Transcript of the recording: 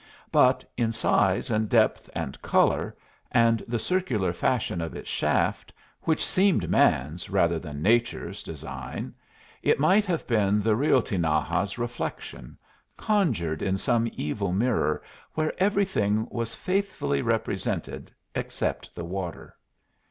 But in size and depth and color, and the circular fashion of its shaft, which seemed man's rather than nature's design, it might have been the real Tinaja's reflection, conjured in some evil mirror where everything was faithfully represented except the water.